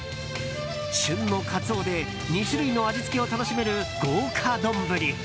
旬のカツオで２種類の味付けを楽しめる豪華丼。